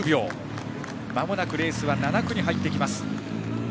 まもなくレースは７区に入っていきます。